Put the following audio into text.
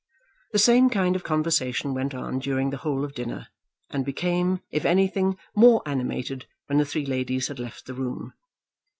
The same kind of conversation went on during the whole of dinner, and became, if anything, more animated when the three ladies had left the room.